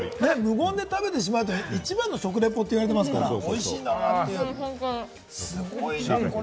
無言で食べてしまう、一番の食レポと言われているので、おいしいんだなって。